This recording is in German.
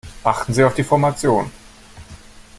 Achten Sie auf die Formation.